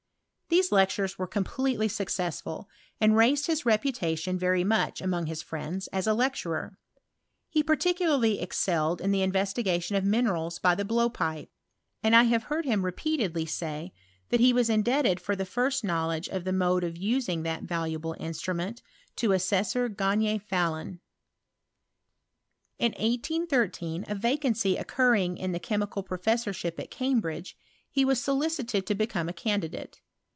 These lectures were completelr successful, and raised his reputation very muck among his friends as a lecturer. He pEU'Ucularty excelled in the investigation of minerals by the blow pipe ; and I have heard him repeatedly say, that he was indebted for the first knowledge of the mode of nsing that valuable instrument to Assessor Gahn of Falilun. P&0GBE8S OJt ANALYTICAL CHEMISTRY. 239 In 1813, a vacancy occurring in the chemical pro fessorship at Cambridge, he was solicited to become a candidate.